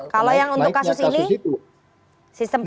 kalau yang untuk kasus ini sistem